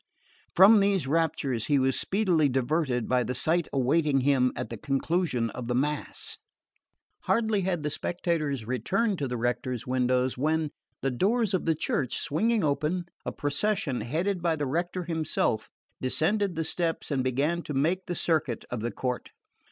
From these raptures he was speedily diverted by the sight awaiting him at the conclusion of the mass. Hardly had the spectators returned to the rector's windows when, the doors of the church swinging open, a procession headed by the rector himself descended the steps and began to make the circuit of the court.